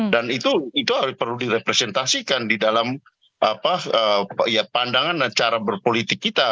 dan itu itu perlu direpresentasikan di dalam apa ya pandangan dan cara berpolitik kita